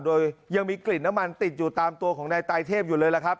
โดยยังมีกลิ่นน้ำมันติดอยู่ตามตัวของนายตายเทพอยู่เลยล่ะครับ